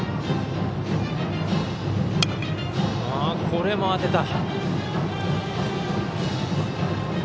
これも当てた。